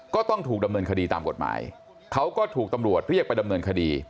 ก็ต้องถูกดำเนินคดีตามกฎหมายเขาก็ถูกตำรวจเรียกไปดำเนินคดี